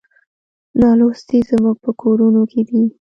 نالوستي زموږ په کورونو کې دي.